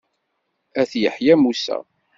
Ayt Yeḥya Musa.